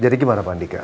jadi gimana pak andika